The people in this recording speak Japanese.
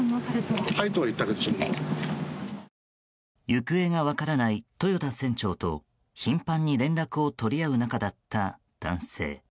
行方が分からない豊田船長と頻繁に連絡を取り合う仲だった男性。